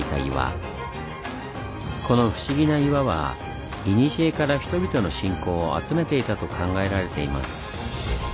この不思議な岩はいにしえから人々の信仰を集めていたと考えられています。